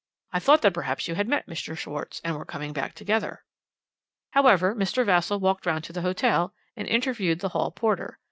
I thought that perhaps you had met Mr. Schwarz, and were coming back together.' "However, Mr. Vassall walked round to the hotel and interviewed the hall porter.